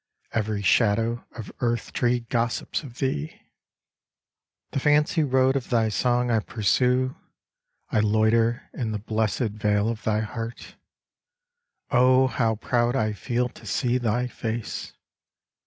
Every shadow ot earth tree gossips of thee ; The fancy road of thy song I pursue, I loiter in the blessed vale of thy heart. how proud I feel to see thy face